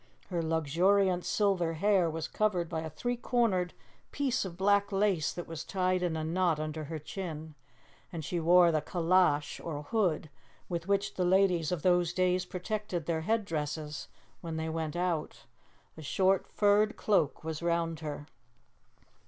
Her luxuriant silver hair was covered by a three cornered piece of black lace that was tied in a knot under her chin, and she wore the 'calash,' or hood, with which the ladies of those days protected their headdresses when they went out. A short furred cloak was round her.